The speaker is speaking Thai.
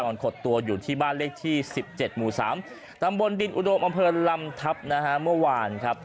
ขดตัวอยู่ที่บ้านเลขที่๑๗หมู่๓ตำบลดินอุดมอำเภอลำทัพนะฮะเมื่อวานครับ